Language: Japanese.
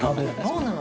そうなの。